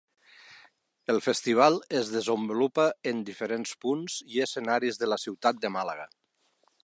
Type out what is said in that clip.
El Festival es desenvolupa en diferents punts i escenaris de la ciutat de Màlaga.